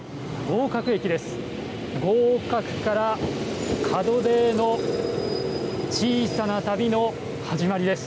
合格から門出への小さな旅の始まりです。